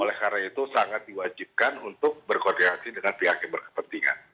oleh karena itu sangat diwajibkan untuk berkoordinasi dengan pihak yang berkepentingan